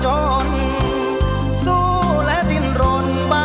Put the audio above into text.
ช่วยฝังดินหรือกว่า